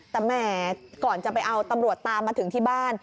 แต่แหมก่อนจะไปเอาตำรวจตามมาถึงที่บ้าน